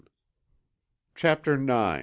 CHAPTER IX.